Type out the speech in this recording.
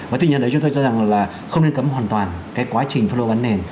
với tình nhân đấy chúng ta cho rằng là không nên cấm hoàn toàn cái quá trình phân lô bán nền